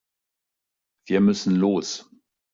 Wir müssen los.